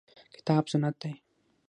کتاب سنت دي.